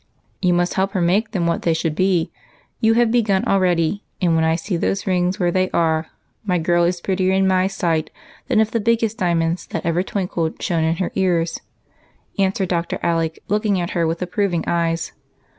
"You must help her make them what they should be. You have begun already, and when I see those rings where they are, my girl is prettier in my sight than if the biggest diamonds that ever twinkled shone in her ears," answered Dr. Alec, looking at her with approving eyes.